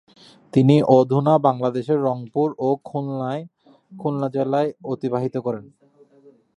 তিনি অধুনা বাংলাদেশের রংপুর ও খুলনা জেলায় অতিবাহিত করেন।